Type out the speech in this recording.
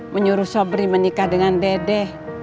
menyuruh sobri menikah dengan dede